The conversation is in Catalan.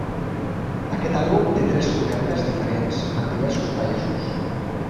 Aquest àlbum té tres cobertes diferents en diversos països.